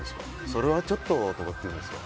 それはちょっととかですか？